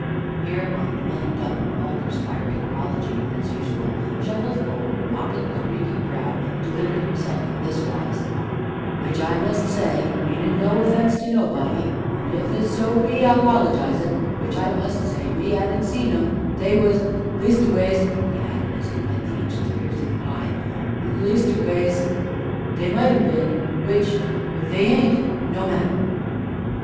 Hereupon the man Dutton, all perspiring apology, as usual, shuffled forward, and, mopping his reeking brow, delivered himself in this wise: "W'ich I must say meanin' no offence to nobody, an' if so be, apologizin' w'ich I must say me 'avin' seen 'em they was leastways," he added, as he met the Ancient's piercing eye, "leastways they might 'ave been, w'ich if they ain't no matter!"